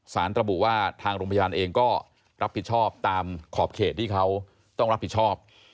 ระบุว่าทางโรงพยาบาลเองก็รับผิดชอบตามขอบเขตที่เขาต้องรับผิดชอบ